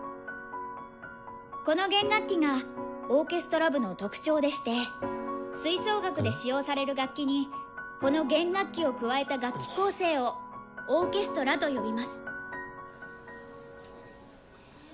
この弦楽器がオーケストラ部の特徴でして吹奏楽で使用される楽器にこの弦楽器を加えた楽器構成を「オーケストラ」と呼びます。